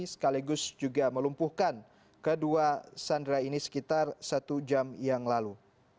sekaligus juga melumpuhkan kedua sandera ini sekitar satu jam yang lalu